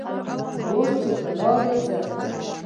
اوس چې پر لارې ځم